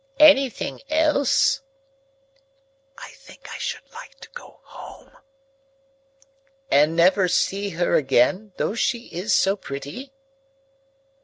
"Anything else?" "I think I should like to go home." "And never see her again, though she is so pretty?"